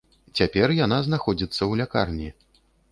Цяпер яна знаходзіцца ў лякарні.